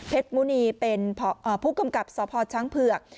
เพชรมูนีเป็นของเอ่อผู้กำกลับสอบภอดชังเผือก